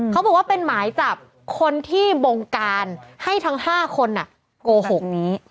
เขาบอกว่าเป็นหมายจับคนที่บงการให้ทั้ง๕คนโกหกนี้